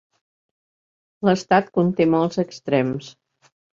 L'estat conté molts extrems.